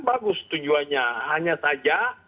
bagus tujuannya hanya saja